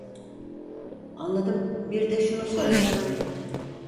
Anladım bir de şunu soracaktım